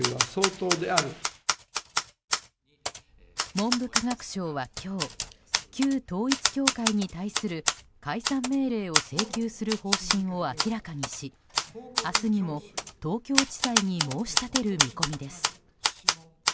文部科学省は今日、旧統一教会に対する解散命令を請求する方針を明らかにし明日にも東京地裁に申し立てる見込みです。